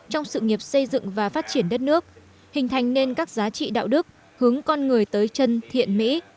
hội đồng xây dựng và phát triển đất nước hình thành nên các giá trị đạo đức hướng con người tới chân thiện mỹ